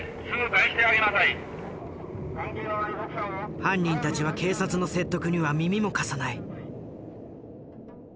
犯人たちは警察の説得には耳も貸さない。